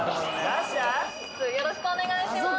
よろしくお願いします